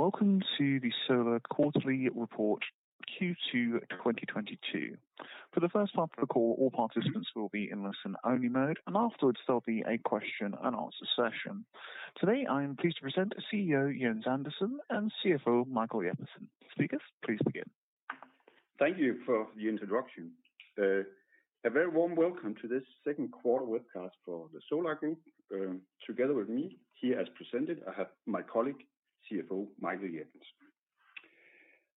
Welcome to the Solar quarterly report Q2 2022. For the first half of the call, all participants will be in listen-only mode, and afterwards there'll be a question-and-answer session. Today, I am pleased to present CEO Jens Andersen and CFO Michael Jeppesen. Speakers, please begin. Thank you for the introduction. A very warm welcome to this second quarter webcast for the Solar Group. Together with me here as presented, I have my colleague, CFO Michael Jeppesen.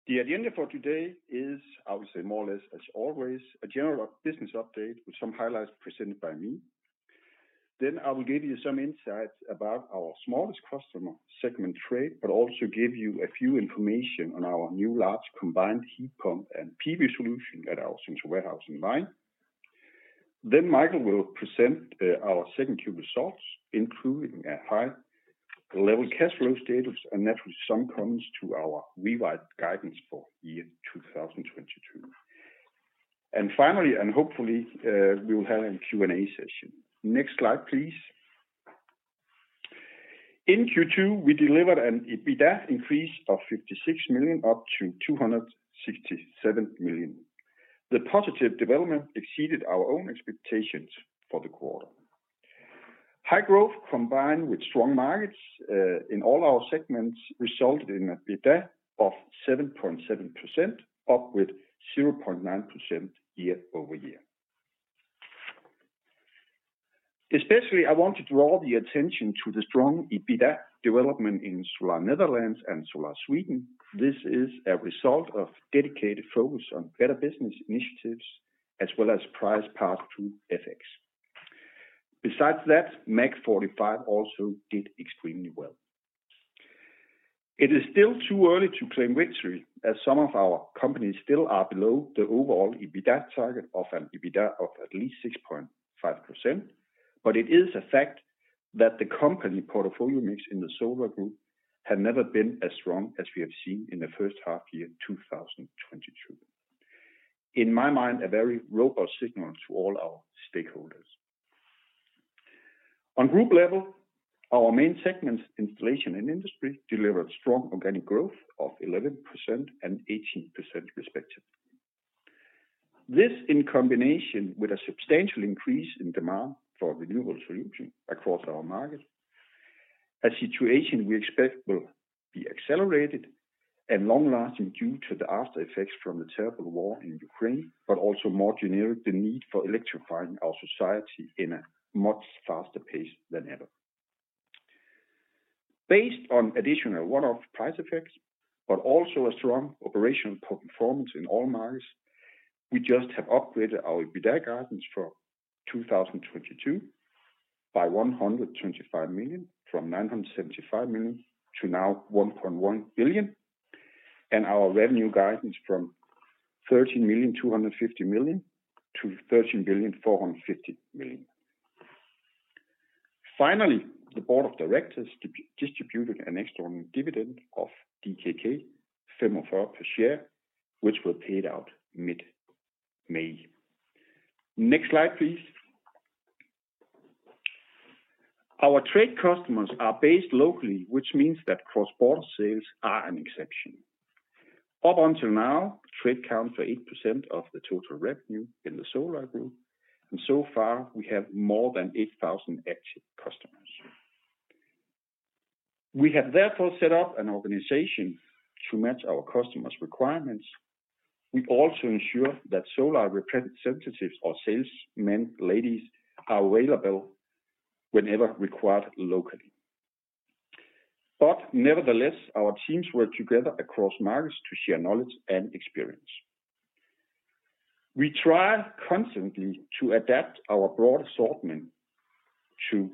The agenda for today is, I would say more or less as always, a general business update with some highlights presented by me. I will give you some insights about our smallest customer segment Trade, but also give you a few information on our new large combined heat pump and PV solution at our central warehouse in Vejen. Michael will present our second Q results, including a high level cash flow status and naturally some comments to our revised guidance for year 2022. Finally, and hopefully, we will have a Q&A session. Next slide, please. In Q2, we delivered an EBITDA increase of 56 million, up to 267 million. The positive development exceeded our own expectations for the quarter. High growth combined with strong markets in all our segments resulted in an EBITDA of 7.7%, up with 0.9% year-over-year. Especially, I want to draw the attention to the strong EBITDA development in Solar Netherlands and Solar Sweden. This is a result of dedicated focus on better business initiatives as well as price pass through FX. Besides that, MAG45 also did extremely well. It is still too early to claim victory, as some of our companies still are below the overall EBITDA target of an EBITDA of at least 6.5%. It is a fact that the company portfolio mix in the Solar Group have never been as strong as we have seen in the first half year, 2022. In my mind, a very robust signal to all our stakeholders. On group level, our main segments, Installation and Industry, delivered strong organic growth of 11% and 18% respectively. This in combination with a substantial increase in demand for renewable solution across our market, a situation we expect will be accelerated and long-lasting due to the after effects from the terrible war in Ukraine, but also more generic, the need for electrifying our society in a much faster pace than ever. Based on additional one-off price effects, but also a strong operational performance in all markets, we just have upgraded our EBITDA guidance for 2022 by 125 million from 975 million to now 1.1 billion, and our revenue guidance from 13.25 billion to 13.45 billion. Finally, the Board of Directors distributed an extraordinary dividend of DKK 45 per share, which were paid out mid-May. Next slide, please. Our Trade customers are based locally, which means that cross-border sales are an exception. Up until now, Trade accounts for 8% of the total revenue in the Solar Group, and so far, we have more than 8,000 active customers. We have therefore set up an organization to match our customers' requirements. We also ensure that Solar representatives or salesmen, ladies, are available whenever required locally. Nevertheless, our teams work together across markets to share knowledge and experience. We try constantly to adapt our broad assortment to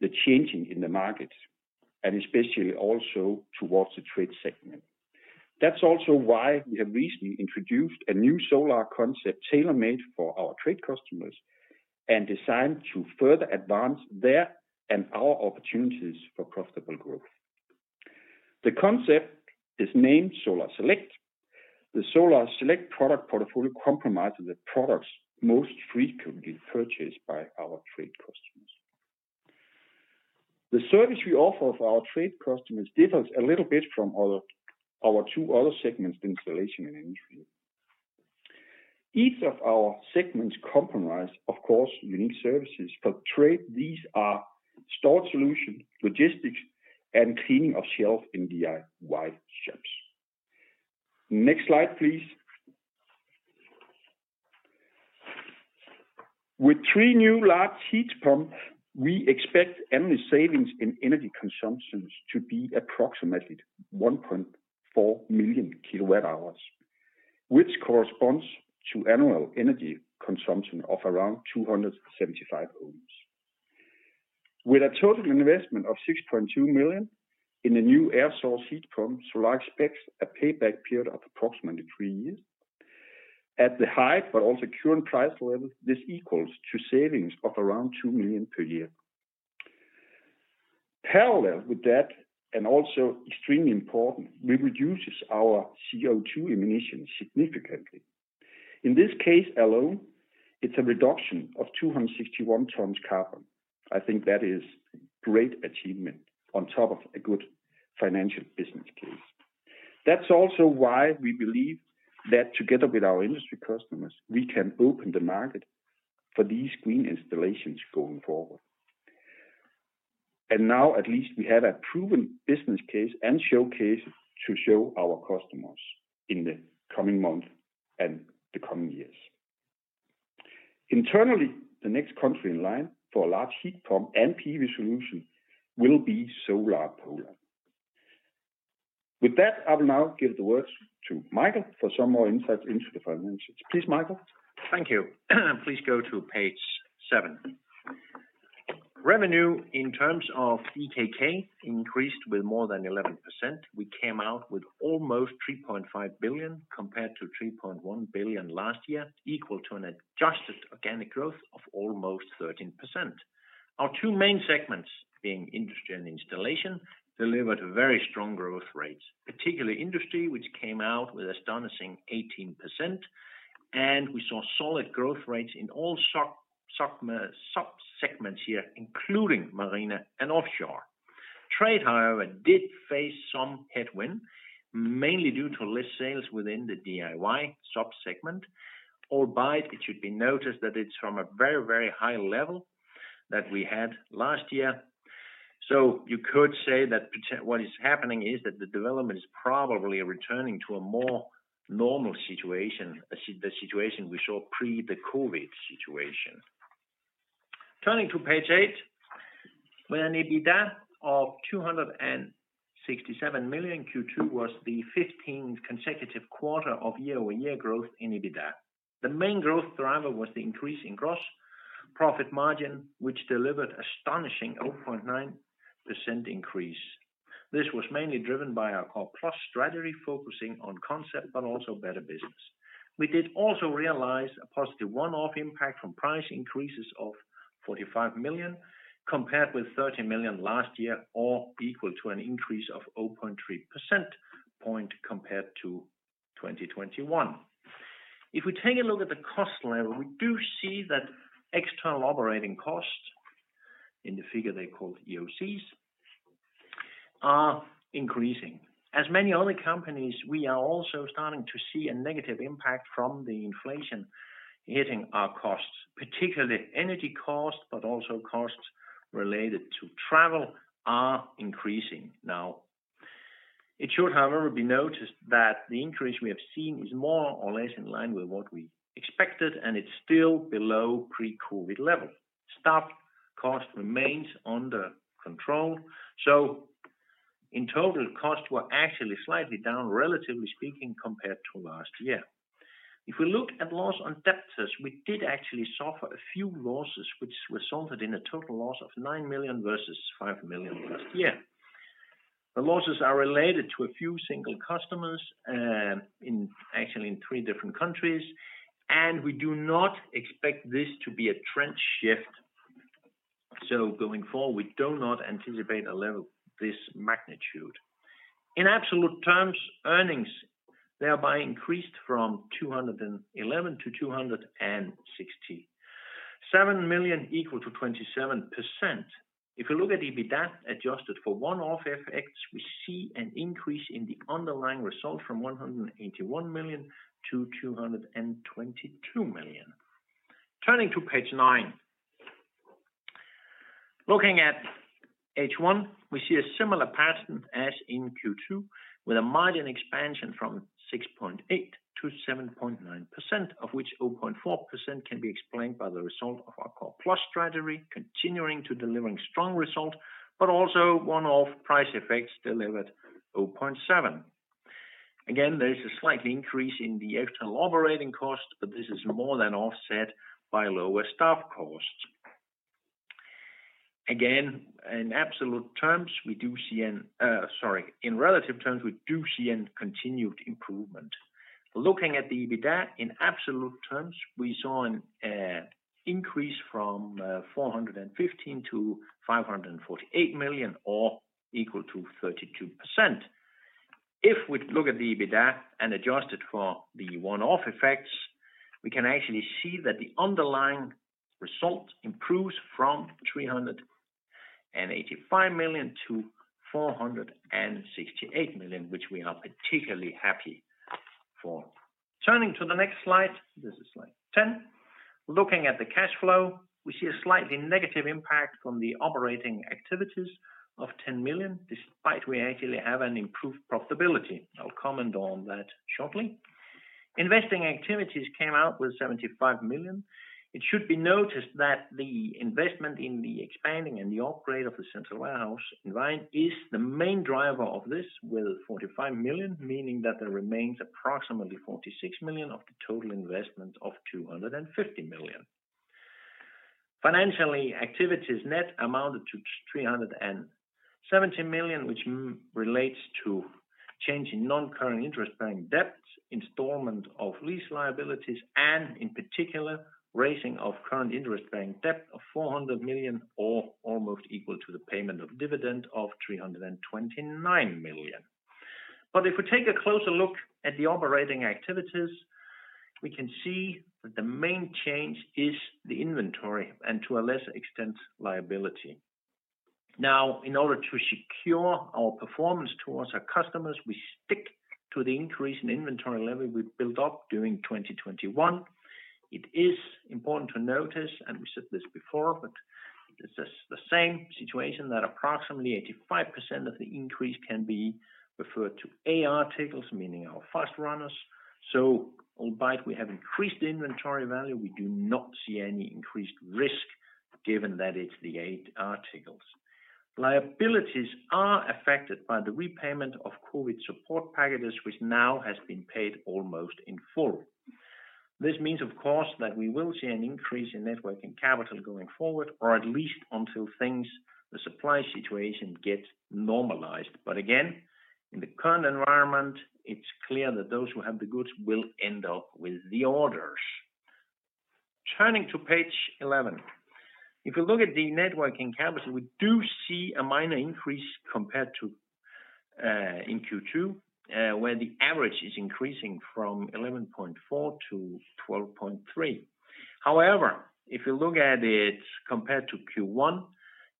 the changes in the markets and especially also towards the Trade segment. That's also why we have recently introduced a new Solar concept tailor-made for our Trade customers and designed to further advance their and our opportunities for profitable growth. The concept is named Solar Select. The Solar Select product portfolio comprises the products most frequently purchased by our Trade customers. The service we offer for our Trade customers differs a little bit from our two other segments, Installation and Industry. Each of our segments comprise, of course, unique services. For Trade, these are store solutions, logistics, and cleaning of shelves in DIY shops. Next slide, please. With three new large heat pump, we expect annual savings in energy consumptions to be approximately 1.4 million kWh, which corresponds to annual energy consumption of around 275 homes. With a total investment of 6.2 million in the new air source heat pump, Solar expects a payback period of approximately three years. At the high but also current price level, this equals to savings of around 2 million per year. Parallel with that, and also extremely important, we reduces our CO2 emissions significantly. In this case alone, it's a reduction of 261 tons of carbon. I think that is a great achievement on top of a good financial business case. That's also why we believe that together with our industry customers, we can open the market for these green installations going forward. Now at least we have a proven business case and showcase to show our customers in the coming months and the coming years. Internally, the next country in line for a large heat pump and PV solution will be Solar Poland. With that, I will now give the words to Michael for some more insight into the financials. Please, Michael. Thank you. Please go to page seven. Revenue in terms of DKK increased with more than 11%. We came out with almost 3.5 billion, compared to 3.1 billion last year, equal to an adjusted organic growth of almost 13%. Our two main segments, being Industry and Installation, delivered very strong growth rates, particularly Industry, which came out with astonishing 18%, and we saw solid growth rates in all sub-segments here, including marine and offshore. Trade, however, did face some headwind, mainly due to less sales within the DIY sub-segment, albeit it should be noticed that it's from a very, very high level that we had last year. You could say that what is happening is that the development is probably returning to a more normal situation, the situation we saw pre the COVID situation. Turning to page eight, where an EBITDA of 267 million Q2 was the 15th consecutive quarter of year-over-year growth in EBITDA. The main growth driver was the increase in gross profit margin, which delivered astonishing 0.9% increase. This was mainly driven by our Core+ strategy, focusing on concept but also better business. We did also realize a positive one-off impact from price increases of 45 million, compared with 30 million last year, or equal to an increase of 0.3 percentage points compared to 2021. If we take a look at the cost level, we do see that external operating costs, in the figure they call EOCs, are increasing. As many other companies, we are also starting to see a negative impact from the inflation hitting our costs, particularly energy costs, but also costs related to travel are increasing now. It should, however, be noticed that the increase we have seen is more or less in line with what we expected, and it's still below pre-COVID levels. Staff cost remains under control. In total, costs were actually slightly down, relatively speaking, compared to last year. If we look at loss on debtors, we did actually suffer a few losses, which resulted in a total loss of 9 million versus 5 million last year. The losses are related to a few single customers, in, actually, in three different countries, and we do not expect this to be a trend shift. Going forward, we do not anticipate a level this magnitude. In absolute terms, earnings thereby increased from 211 million to 267 million, equal to 27%. If you look at EBITDA adjusted for one-off effects, we see an increase in the underlying result from 181 million to 222 million. Turning to page nine. Looking at H1, we see a similar pattern as in Q2, with a margin expansion from 6.8% to 7.9%, of which 0.4% can be explained by the result of our Core+ strategy continuing to delivering strong result, but also one-off price effects delivered 0.7%. Again, there is a slight increase in the external operating cost, but this is more than offset by lower staff costs. Again, in relative terms, we do see a continued improvement. Looking at the EBITDA in absolute terms, we saw an increase from 415 million to 548 million, or equal to 32%. If we look at the EBITDA and adjust it for the one-off effects, we can actually see that the underlying result improves from 385 million to 468 million, which we are particularly happy for. Turning to the next slide. This is slide 10. Looking at the cash flow, we see a slightly negative impact from the operating activities of 10 million, despite we actually have an improved profitability. I'll comment on that shortly. Investing activities came out with 75 million. It should be noticed that the investment in the expansion and the upgrade of the central warehouse in Vejen is the main driver of this with 45 million, meaning that there remains approximately 46 million of the total investment of 250 million. Financing activities net amounted to 370 million, which relates to change in non-current interest-bearing debt, installment of lease liabilities and, in particular, raising of current interest-bearing debt of 400 million or almost equal to the payment of dividend of 329 million. If we take a closer look at the operating activities, we can see that the main change is the inventory, and to a lesser extent, liabilities. Now, in order to secure our performance towards our customers, we stick to the increase in inventory level we built up during 2021. It is important to notice, and we said this before, but this is the same situation, that approximately 85% of the increase can be referred to A articles, meaning our fast runners. Albeit we have increased inventory value, we do not see any increased risk given that it's the A articles. Liabilities are affected by the repayment of COVID support packages which now has been paid almost in full. This means, of course, that we will see an increase in net working capital going forward, or at least until things, the supply situation gets normalized. Again, in the current environment, it's clear that those who have the goods will end up with the orders. Turning to page 11. If you look at the net working capital, we do see a minor increase compared to in Q2, where the average is increasing from 11.4% to 12.3%. However, if you look at it compared to Q1,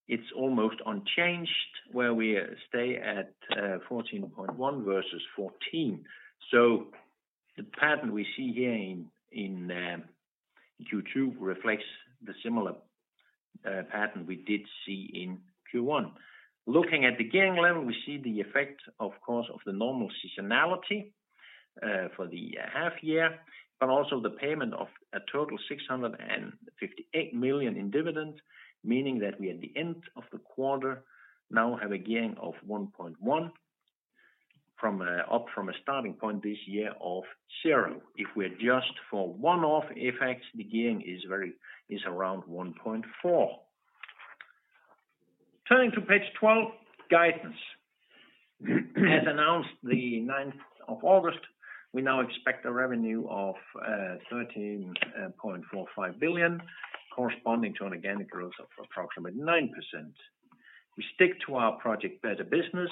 it's almost unchanged, where we stay at 14.1% versus 14%. The pattern we see here in Q2 reflects the similar pattern we did see in Q1. Looking at the gearing level, we see the effect, of course, of the normal seasonality for the half year, but also the payment of a total 658 million in dividends, meaning that we, at the end of the quarter now have a gearing of 1.1x from up from a starting point this year of zero. If we adjust for one-off effects, the gearing is around 1.4x. Turning to page 12, guidance. As announced the 9th of August, we now expect a revenue of 13.45 billion corresponding to an organic growth of approximately 9%. We stick to our Project Better Business,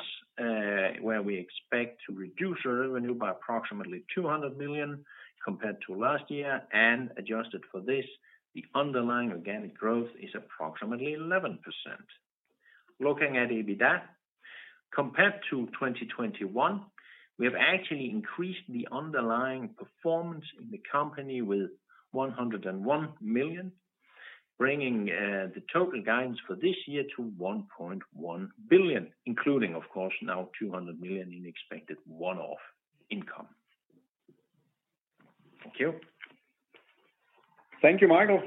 where we expect to reduce our revenue by approximately 200 million compared to last year, and adjusted for this, the underlying organic growth is approximately 11%. Looking at EBITDA, compared to 2021, we have actually increased the underlying performance in the company with 101 million, bringing the total guidance for this year to 1.1 billion, including, of course, now 200 million in expected one-off income. Thank you. Thank you, Michael.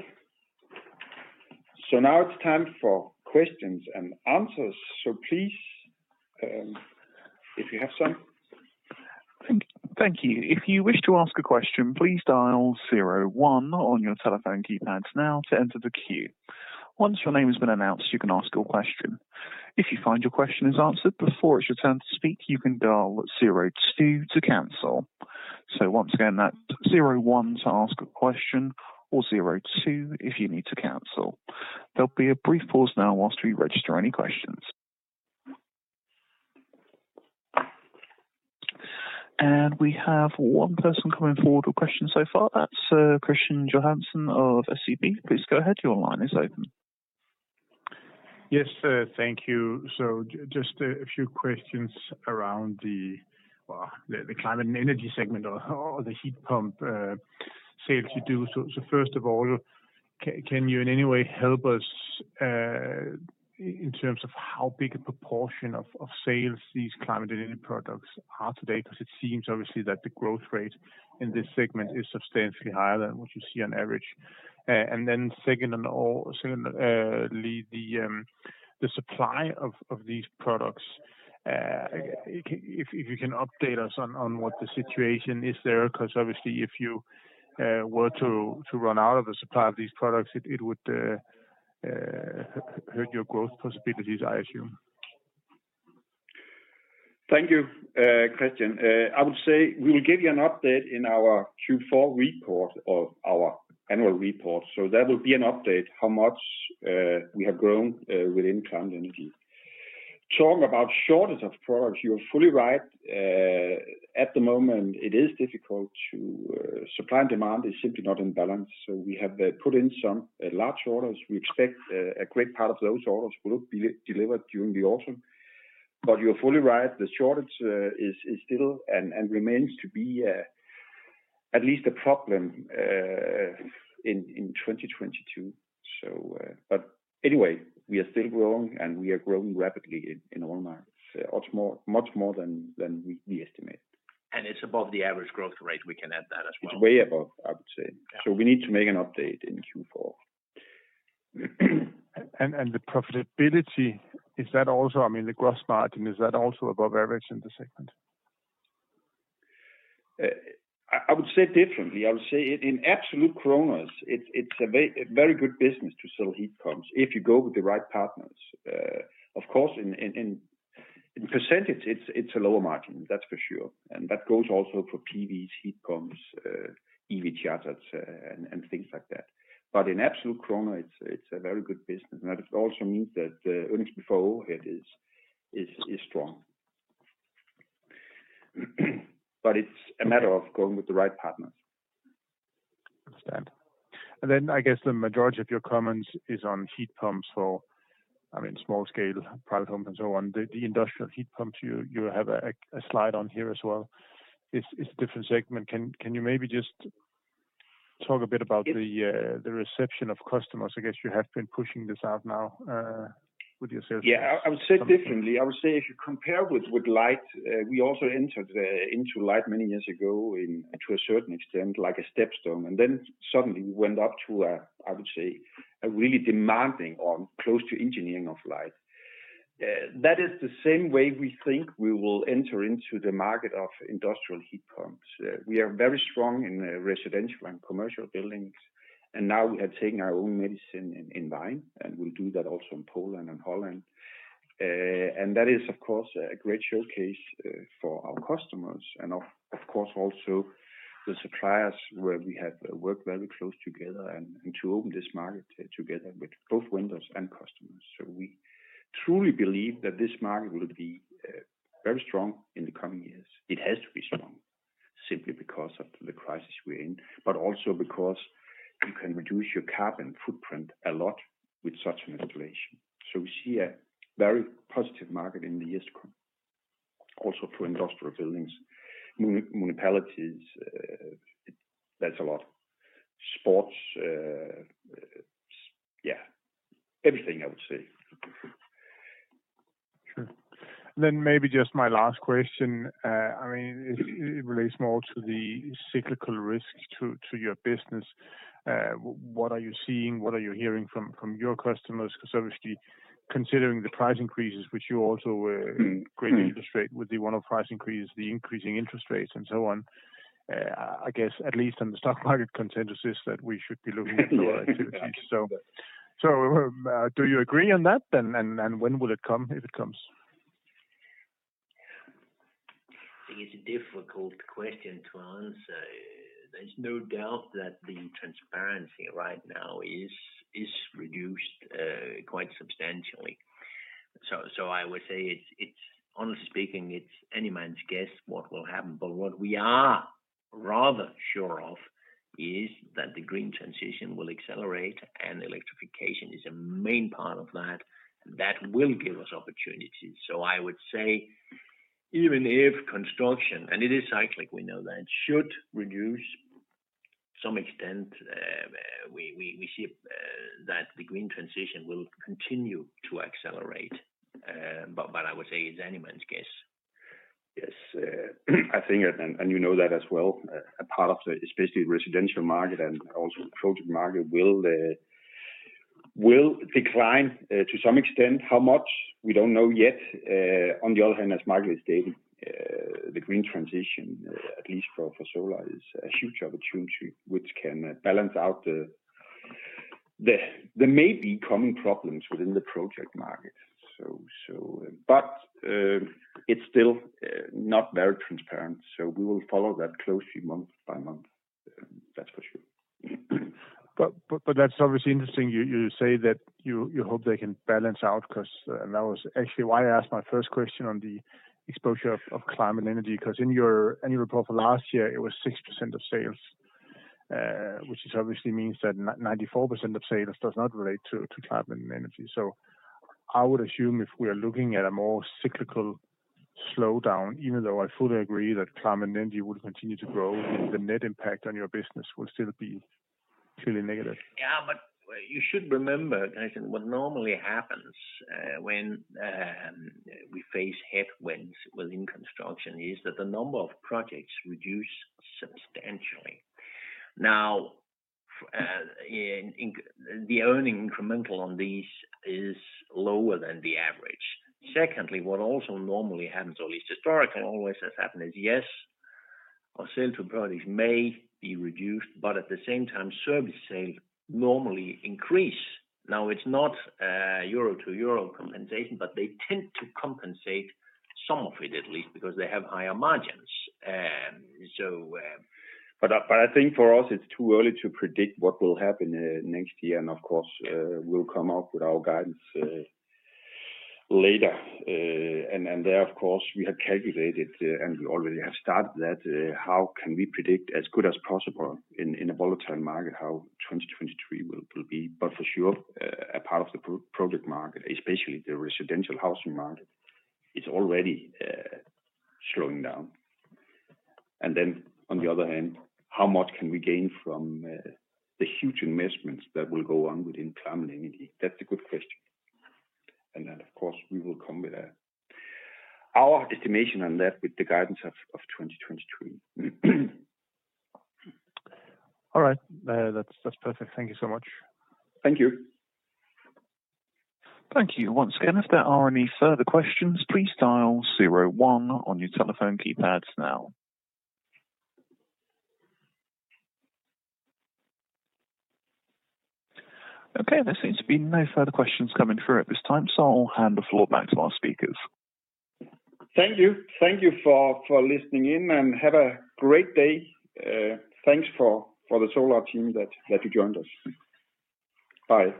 Now it's time for questions and answers. Please, if you have some. Thank you. If you wish to ask a question, please dial zero one on your telephone keypads now to enter the queue. Once your name has been announced, you can ask your question. If you find your question is answered before it's your turn to speak, you can dial zero two to cancel. So once again, that's zero one to ask a question or zero two if you need to cancel. There'll be a brief pause now while we register any questions. We have one person coming forward with questions so far. That's Kristian Johansen of SEB. Please go ahead. Your line is open. Yes, thank you. Just a few questions around well, the climate and energy segment or the heat pump sales you do. First of all, can you in any way help us in terms of how big a proportion of sales these climate and energy products are today? Because it seems obviously that the growth rate in this segment is substantially higher than what you see on average. Secondly, the supply of these products. If you can update us on what the situation is there, 'cause obviously, if you were to run out of the supply of these products, it would hurt your growth possibilities, I assume. Thank you, Kristian. I would say we will give you an update in our Q4 report of our annual report. There will be an update how much we have grown within climate energy. Talking about shortage of products, you are fully right. At the moment, supply and demand is simply not in balance, so we have put in some large orders. We expect a great part of those orders will be delivered during the autumn. You're fully right, the shortage is still and remains to be at least a problem in 2022. But anyway, we are still growing, and we are growing rapidly in all markets much more than we estimate. It's above the average growth rate, we can add that as well. It's way above, I would say. Yeah. We need to make an update in Q4. The profitability, is that also, I mean, the gross margin, is that also above average in the segment? I would say differently. I would say in absolute kroner, it's a very good business to sell heat pumps if you go with the right partners. Of course, in percentage, it's a lower margin, that's for sure. That goes also for PVs, heat pumps, EV chargers, and things like that. In absolute kroner, it's a very good business. That also means that earnings before overhead is strong. It's a matter of going with the right partners. Understand. Then I guess the majority of your comments is on heat pumps or, I mean, small scale private home and so on. The industrial heat pumps you have a slide on here as well. It's a different segment. Can you maybe just talk a bit about the reception of customers? I guess you have been pushing this out now with your sales. Yeah. I would say it differently. I would say if you compare with lighting, we also entered into lighting many years ago into a certain extent, like a stepping stone, and then suddenly we went up to a, I would say, a really demanding or close to engineering of lighting. That is the same way we think we will enter into the market of industrial heat pumps. We are very strong in residential and commercial buildings, and now we have taken our own medicine in line, and we'll do that also in Poland and Netherlands. That is of course a great showcase for our customers and of course also the suppliers where we have worked very close together and to open this market together with both vendors and customers. We truly believe that this market will be very strong in the coming years. It has to be strong simply because of the crisis we're in, but also because you can reduce your carbon footprint a lot with such an installation. We see a very positive market in the years to come, also for industrial buildings, municipalities, that's a lot. Sports, yeah, everything I would say. Sure. Maybe just my last question. I mean, it relates more to the cyclical risks to your business. What are you seeing? What are you hearing from your customers? Because obviously considering the price increases, which you also greatly illustrate with the one-off price increase, the increasing interest rates and so on, I guess at least on the stock market consensus is that we should be looking for activities. Do you agree on that? When will it come, if it comes? I think it's a difficult question to answer. There's no doubt that the transparency right now is reduced quite substantially. I would say it's honestly speaking, it's any man's guess what will happen. What we are rather sure of is that the green transition will accelerate, and electrification is a main part of that. That will give us opportunities. I would say even if construction, and it is cyclic, we know that, should reduce to some extent, we see that the green transition will continue to accelerate. I would say it's any man's guess. Yes. I think and you know that as well, a part of the especially residential market and also project market will decline to some extent. How much? We don't know yet. On the other hand, as Michael has stated, the green transition at least for Solar is a huge opportunity which can balance out the maybe coming problems within the project market. It's still not very transparent, so we will follow that closely month by month, that's for sure. That's obviously interesting. You say that you hope they can balance out 'cause and that was actually why I asked my first question on the exposure of climate and energy. 'Cause in your annual report for last year, it was 6% of sales, which obviously means that 94% of sales does not relate to climate and energy. I would assume if we are looking at a more cyclical slowdown, even though I fully agree that climate and energy will continue to grow, the net impact on your business will still be clearly negative. You should remember, guys, what normally happens, when we face headwinds within construction is that the number of projects reduce substantially. Now, the incremental earnings on these is lower than the average. Secondly, what also normally happens, or at least historically always has happened, is yes, our sales to projects may be reduced, but at the same time, service sales normally increase. Now, it's not euro-to-euro compensation, but they tend to compensate some of it at least, because they have higher margins. I think for us it's too early to predict what will happen next year and of course we'll come out with our guidance later. There of course we have calculated and we already have started that how can we predict as good as possible in a volatile market how 2023 will be. For sure a part of the project market especially the residential housing market is already slowing down. On the other hand how much can we gain from the huge investments that will go on within climate and energy? That's a good question. Of course we will come with our estimation on that with the guidance of 2023. All right. That's perfect. Thank you so much. Thank you. Thank you once again. If there are any further questions, please dial zero one on your telephone keypads now. Okay. There seems to be no further questions coming through at this time, so I'll hand the floor back to our speakers. Thank you. Thank you for listening in, and have a great day. Thanks for the Solar team that you joined us. Bye.